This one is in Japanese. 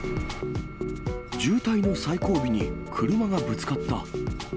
渋滞の最後尾に車がぶつかった。